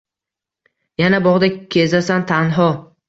Yana bog’da kezasan tanho